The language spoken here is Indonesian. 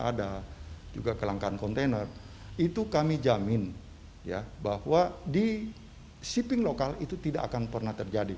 ada juga kelangkaan kontainer itu kami jamin ya bahwa di shipping lokal itu tidak akan pernah terjadi